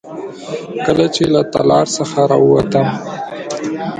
کله چې له تالار څخه راووتم.